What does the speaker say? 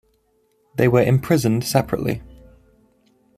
They were imprisoned separately.